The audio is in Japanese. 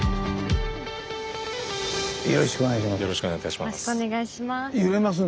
よろしくお願いします。